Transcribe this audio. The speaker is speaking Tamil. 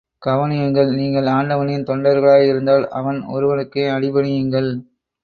கவனியுங்கள், நீங்கள் ஆண்டவனின் தொண்டர்களாய் இருந்தால் அவன் ஒருவனுக்கே அடிபணியுங்கள்!